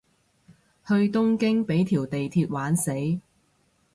去東京畀條地鐵玩死